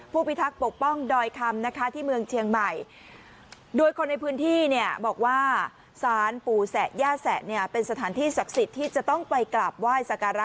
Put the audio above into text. พิทักษ์ปกป้องดอยคำนะคะที่เมืองเชียงใหม่โดยคนในพื้นที่เนี่ยบอกว่าสารปู่แสะย่าแสะเนี่ยเป็นสถานที่ศักดิ์สิทธิ์ที่จะต้องไปกราบไหว้สการะ